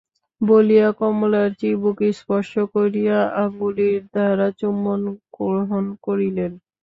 বলিয়া কমলার চিবুক স্পর্শ করিয়া অঙ্গুলির দ্বারা চুম্বন গ্রহণ করিলেন।